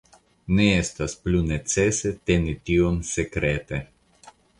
Ne estas plu necese teni tion sekrete.